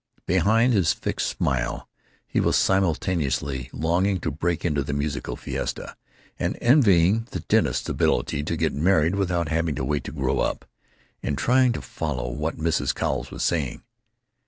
Behind his fixed smile he was simultaneously longing to break into the musical fiesta, and envying the dentist's ability to get married without having to wait to grow up, and trying to follow what Mrs. Cowles was saying.